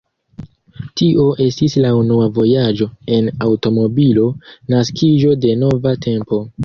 Tio estis la unua vojaĝo en aŭtomobilo, naskiĝo de nova tempo.